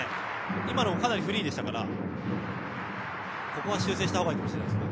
今のもかなりフリーでしたからここは修正したほうがいいかもしれないですね。